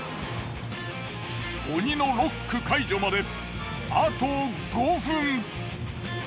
鬼のロック解除まであと５分！